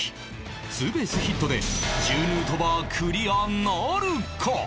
ツーベースヒットで１０ヌートバークリアなるか？